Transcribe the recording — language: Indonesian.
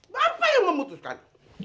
bapak yang memutuskan